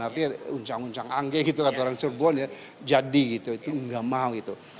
artinya uncang uncang anggih gitu kata orang cerbon ya jadi gitu itu enggak mau itu